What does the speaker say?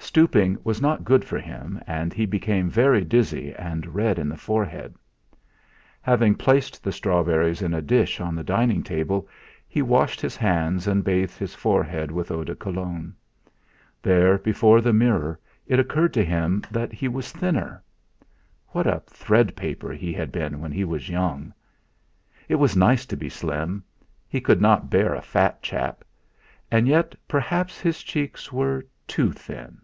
Stooping was not good for him, and he became very dizzy and red in the forehead. Having placed the strawberries in a dish on the dining table, he washed his hands and bathed his forehead with eau de Cologne. There, before the mirror, it occurred to him that he was thinner. What a 'threadpaper' he had been when he was young! It was nice to be slim he could not bear a fat chap; and yet perhaps his cheeks were too thin!